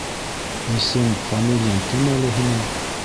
- Исем-фамилияң кем әле һинең?